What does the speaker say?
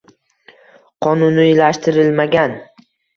Qonuniylashtirilmagan